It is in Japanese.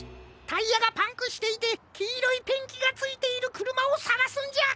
タイヤがパンクしていてきいろいペンキがついているくるまをさがすんじゃ！